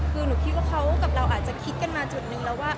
คือหนูคิดว่าเขากับเราอาจจะคิดกันมาจุดนึงแล้วว่า